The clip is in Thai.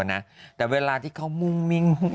น่ะแต่เวลาที่เขามุ่งมีง